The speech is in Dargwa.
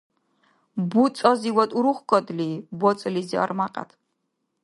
БуцӀазивад урухкӀадли, вацӀализи армякьяд.